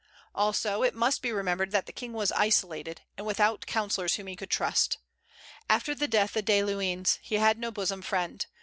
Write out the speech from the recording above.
Also, it must be remembered that the King was isolated, and without counsellors whom he could trust. After the death of De Luynes he had no bosom friend.